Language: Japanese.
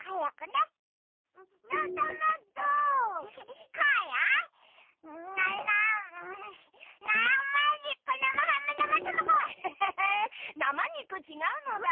なまにく？ちがうのだ。